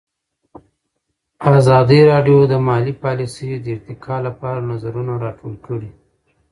ازادي راډیو د مالي پالیسي د ارتقا لپاره نظرونه راټول کړي.